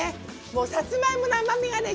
もうさつまいもの甘みがね